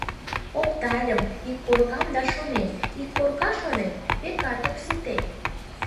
Оптальым ик коркам да шонем: ик корка, шонем, векат, ок сите.